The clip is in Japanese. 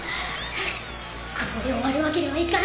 ここで終わるわけにはいかない。